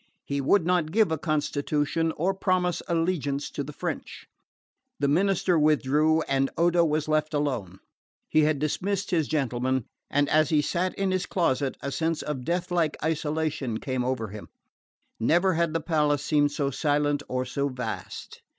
He would not give a constitution or promise allegiance to the French. The minister withdrew, and Odo was left alone. He had dismissed his gentlemen, and as he sat in his closet a sense of deathlike isolation came over him. Never had the palace seemed so silent or so vast.